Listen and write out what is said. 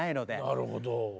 なるほど。